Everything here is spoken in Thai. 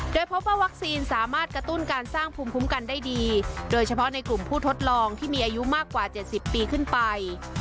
โดยพบว่าวัคซีนสามารถกระตุ้นการสร้างภูมิคุ้มกันได้ดีโดยเฉพาะในกลุ่มผู้ทดลองที่มีอายุมากกว่า๗๐ปีขึ้นไป